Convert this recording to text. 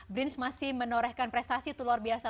brins masih menorehkan prestasi itu luar biasa